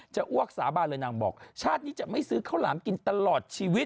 อ้วกสาบานเลยนางบอกชาตินี้จะไม่ซื้อข้าวหลามกินตลอดชีวิต